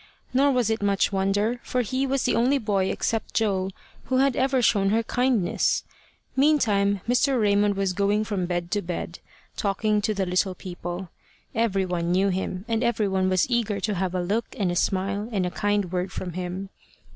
Nor was it much wonder, for he was the only boy except Joe who had ever shown her kindness. Meantime Mr. Raymond was going from bed to bed, talking to the little people. Every one knew him, and every one was eager to have a look, and a smile, and a kind word from him.